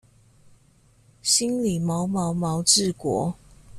心裡毛毛毛治國